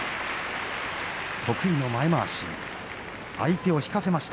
得意の前まわし。